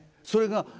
それが。